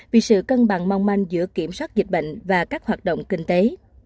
vì sự cân bằng mong manh giữa kiểm soát dịch bệnh và các hoạt động kinh tế